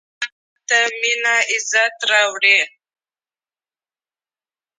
افغانستان د ځمکنی شکل له پلوه له نورو هېوادونو سره اړیکې لري.